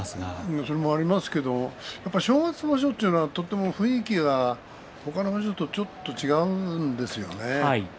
それもありますが正月場所というのは雰囲気が他の場所とは違うんですよね。